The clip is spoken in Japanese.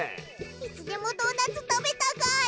いつでもドーナツ食べたガール！